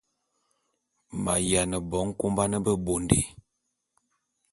Ma’yiane bo nkoban bebondé.